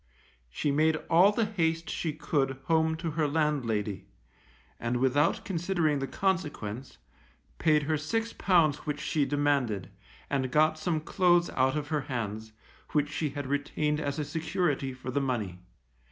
She made all the haste she could home to her landlady, and without considering the consequence, paid her six pounds which she demanded, and got some clothes out of her hands, which she had retained as a security for the money.